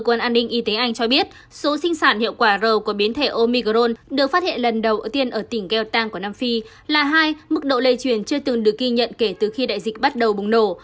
cơ quan an ninh y tế anh cho biết số sinh sản hiệu quả r của biến thể omicron được phát hiện lần đầu tiên ở tỉnh geltang của nam phi là hai mức độ lây truyền chưa từng được ghi nhận kể từ khi đại dịch bắt đầu bùng nổ